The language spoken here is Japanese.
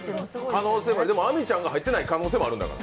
でも亜美ちゃんが入ってない可能性もあるから。